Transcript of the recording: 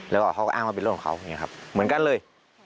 แล้วก็เขาก็อ้างว่าเป็นเรื่องของเขาอย่างนี้ครับเหมือนกันเลย